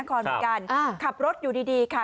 นักความความสุดการอ่าขับรถอยู่ดีดีค่ะ